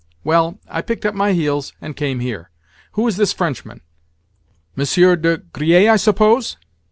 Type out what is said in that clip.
Well, I picked up my heels, and came here. Who is this Frenchman? Monsieur de Griers, I suppose?"